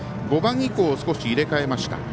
５番以降を少し入れ替えました。